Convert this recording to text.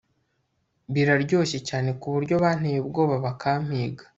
biraryoshe cyane, kuburyo banteye ubwoba bakampiga